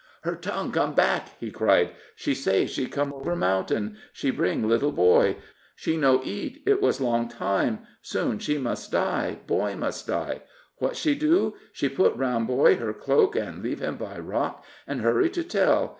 "Her tongue come back!" he cried. "She say she come over mountain she bring little boy she no eat, it was long time. Soon she must die, boy must die. What she do? She put round boy her cloak, an' leave him by rock, an' hurry to tell.